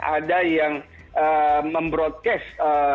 ada yang mem broadcast